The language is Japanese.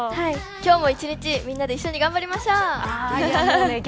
今日も１日みんなで一緒に頑張りましょう。